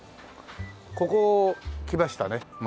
ここ来ましたね前。